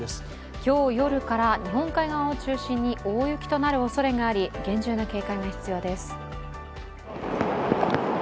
今日夜から日本海側を中心に大雪となるおそれがあり厳重な警戒が必要です。